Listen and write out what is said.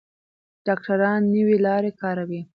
ډاکټران نوې لارې کاروي.